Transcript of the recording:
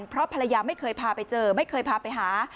เพราะภรรยาไม่เคยพาไปเจอไม่เคยพาไปหา